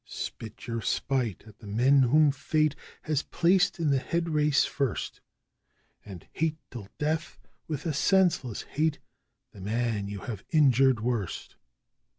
Spit your spite at the men whom Fate has placed in the head race first, And hate till death, with a senseless hate, the man you have injured worst!